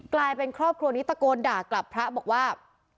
กลายเป็นครอบครัวนี้ตะโกนด่ากลับพระบอกว่า